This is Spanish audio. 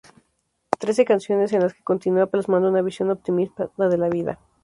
Trece canciones en las que continúa plasmando una visión optimista de la vida.